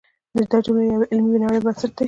دا جملې د یوې علمي نړۍ بنسټ دی.